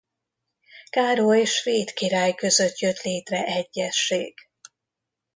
Károly svéd király között jött létre egyezség.